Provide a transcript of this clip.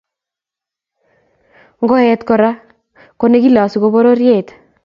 Ngoet Kora konekilosu ko pororiet